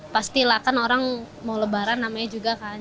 pastilah kan orang mau lebaran namanya juga kan